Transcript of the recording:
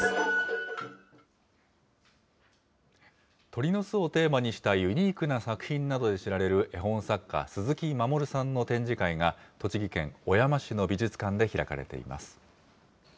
鳥の巣をテーマにしたユニークな作品などで知られる絵本作家、鈴木まもるさんの展示会が栃木県小山市の美術館で開かれています。